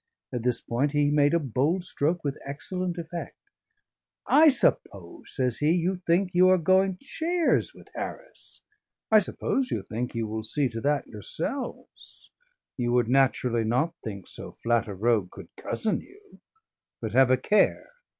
At this point he made a bold stroke with excellent effect. "I suppose," says he, "you think you are going shares with Harris, I suppose you think you will see to that yourselves; you would naturally not think so flat a rogue could cozen you. But have a care!